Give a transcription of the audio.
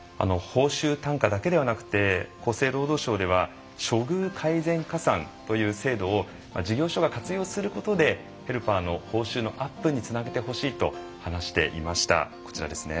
報酬単価だけではなくて厚生労働省では処遇改善加算という制度を事業所が活用することでヘルパーの報酬のアップにつなげてほしいと話していました。